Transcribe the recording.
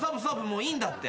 もういいんだって。